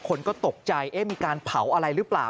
คนก็ตกใจเอ๊ะมีการเผาอะไรหรือเปล่า